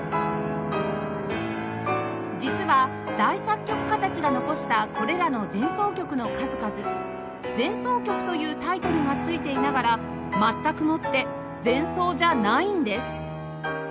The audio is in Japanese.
実は大作曲家たちが残したこれらの前奏曲の数々「前奏曲」というタイトルが付いていながら全くもって前奏じゃないんです